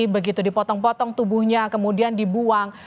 begitu dipotong potong tubuhnya kemudian dibuang